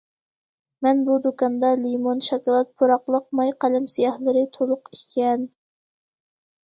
مەن بۇ دۇكاندا لىمون، شاكىلات پۇراقلىق ماي قەلەم سىياھلىرى تولۇق ئىكەن.